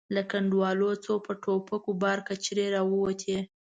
له کنډوالو څو په ټوپکو بار کچرې را ووتې.